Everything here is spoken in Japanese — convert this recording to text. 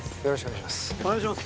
よろしくお願いします